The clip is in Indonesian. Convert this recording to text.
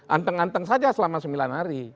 anteng anteng saja selama sembilan hari